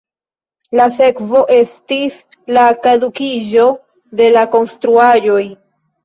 La sekvo estis la kadukiĝo de la konstruaĵoj.